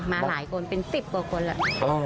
มาหลายคนเป็น๑๐กว่าคนแล้ว